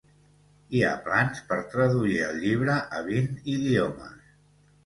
Hi ha plans per traduir el llibre a vint idiomes.